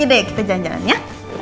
yaudah kita jalan jalan ya